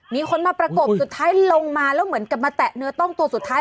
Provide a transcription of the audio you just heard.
มีคนมาประกบสุดท้ายลงมาแล้วเหมือนกับมาแตะเนื้อต้องตัวสุดท้าย